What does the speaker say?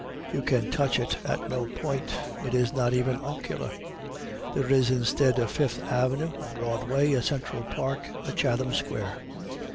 You can touch it at no point. It is not even ocular. There is instead a Fifth Avenue, a Broadway, a Central Park, a Chatham Square.